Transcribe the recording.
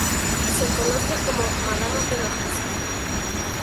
Se conoce como "madama pegajosa".